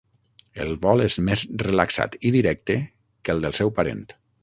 El vol és més relaxat i directe que el del seu parent.